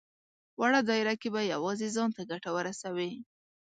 وړه دايره کې به يوازې ځان ته ګټه ورسوي.